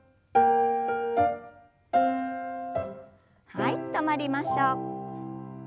はい止まりましょう。